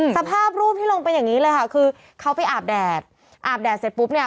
สภาพรูปที่ลงเป็นอย่างนี้เลยค่ะคือเขาไปอาบแดดอาบแดดเสร็จปุ๊บเนี่ย